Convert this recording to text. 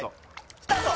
スタート！